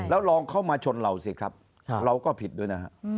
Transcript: แล้วลองเข้ามาชนเราสิครับเราก็ผิดด้วยนะฮะ